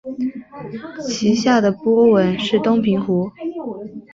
其下的波纹是东平湖。